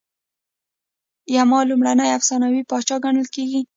یما لومړنی افسانوي پاچا ګڼل کیږي